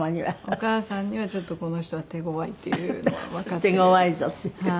お母さんにはちょっとこの人は手ごわいっていうのはわかってる。